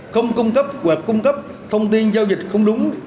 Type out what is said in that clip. không cung cấp hoặc cung cấp thông tin giao dịch không đúng